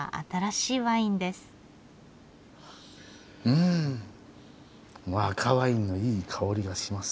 うん赤ワインのいい香りがします。